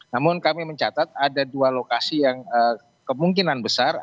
namun kami mencatat ada dua lokasi yang kemungkinan besar